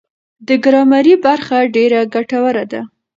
دا ګرامري برخه ډېره ګټوره ده.